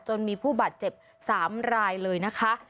จนมีผู้บาดเจ็บ๓รายเลยนะคะ